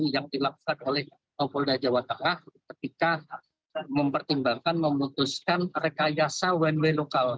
yang dilakukan oleh polda jawa tengah ketika mempertimbangkan memutuskan rekayasa one way lokal